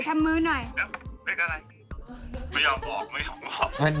ทำมื้อหน่อย